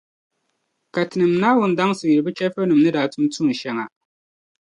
Ka Tinim’ Naawuni daŋsi yuli bɛ chεfurnima ni daa tum tuun’ shɛŋa.